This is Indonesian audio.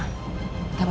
aku mau bantuin mbak andien